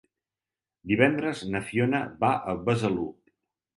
Divendres na Fiona va a Besalú.